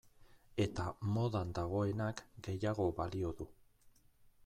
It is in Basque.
Eta modan dagoenak gehiago balio du.